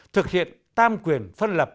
thực hiện tam quyền phân lập